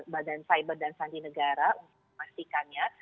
badan cyber dan sandi negara untuk memastikannya